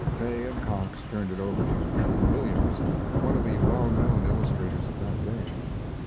Fay and Cox turned it over to True Williams, one of the well known illustrators of that day.